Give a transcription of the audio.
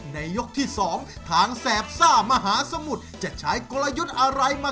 ในยกที่๒ทางแสบส้ามหาสมุดจะใช้กลยุทธ์อะไรมาแก้มือ